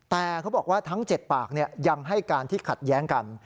แต่เขาบอกว่าทั้ง๗ปากยังให้การที่ขัดแย้งกัน